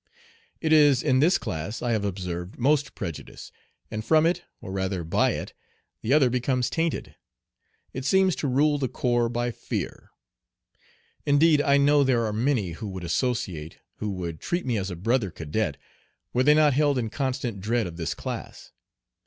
It is in this class I have observed most prejudice, and from it, or rather by it, the other becomes tainted. It seems to rule the corps by fear. Indeed, I know there are many who would associate, who would treat me as a brother cadet, were they not held in constant dread of this class.